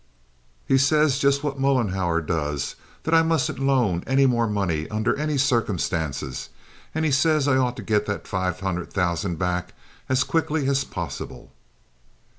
"He says just what Mollenhauer does, that I mustn't loan any more money under any circumstances, and he says I ought to get that five hundred thousand back as quickly as possible."